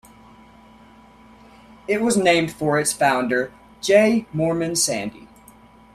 It was named for its founder, J. Moorman Sandy.